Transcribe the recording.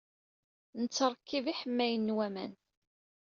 Nettṛekkib iḥemmayen n waman.